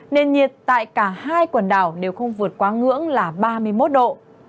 nền nhiệt tại cả hai quần đảo đều không vượt quá ngưỡng là ba mươi một độ